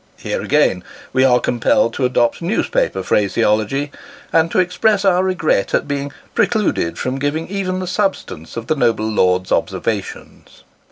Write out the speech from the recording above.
Here again we are compelled to adopt newspaper phraseology, and to express our regret at being " precluded from giving even the substance of the noble lord's observations."